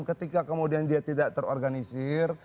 ketika kemudian dia tidak terorganisir